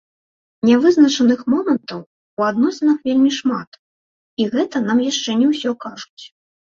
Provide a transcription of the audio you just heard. Нявызначаных момантаў у адносінах вельмі шмат, і гэта нам яшчэ не ўсё кажуць.